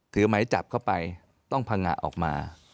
หมายจับเข้าไปต้องพังงะออกมา